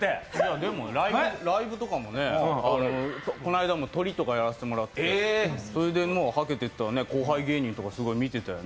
でもライブとかもね、この間もトリとかやらせてもらってそれで、もうはけてったら、後輩芸人とか、すごい見てたよね。